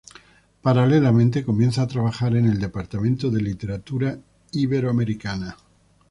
Paralelamente, comienza a trabajar en el Departamento de Literatura Iberoamericana.